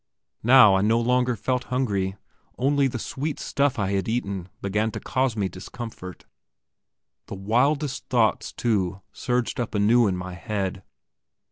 Now I no longer felt hungry, only the sweet stuff I had eaten began to cause me discomfort. The wildest thoughts, too surged up anew in my head.